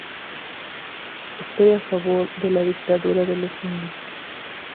Estoy a favor de la dictadura de los indios